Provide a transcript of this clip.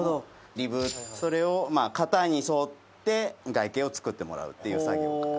リブそれをまあ型に沿って外形を作ってもらうっていう作業から。